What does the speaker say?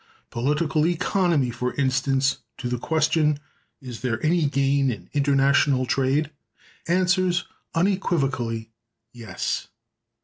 Political economy, for instance, to the question, Is there any gain in international trade? answers, unequivocally, yes.